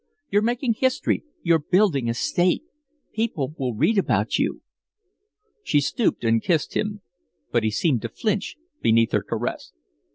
You're making history you're building a State people will read about you." She stooped and kissed him; but he seemed to flinch beneath her caress.